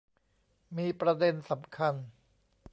มีประเด็นสำคัญ